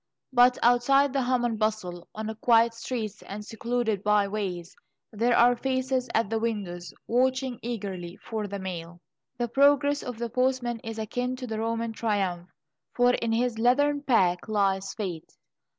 But outside the hum and bustle, on quiet streets and secluded by ways, there are faces at the windows, watching eagerly for the mail. The progress of the postman is akin to a Roman triumph, for in his leathern pack lies Fate.